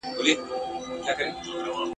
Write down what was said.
په غوجل کي چي تړلی نیلی آس وو !.